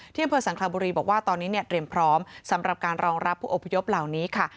อำเภอสังคลาบุรีบอกว่าตอนนี้เนี่ยเตรียมพร้อมสำหรับการรองรับผู้อพยพเหล่านี้ค่ะ